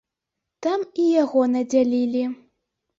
Там і яго надзялілі.